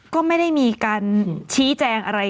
ก็ไม่ได้มีการชี้แจงอะไร